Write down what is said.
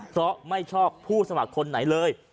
เพราะไม่ชอบผู้สมัครคนไหนเลย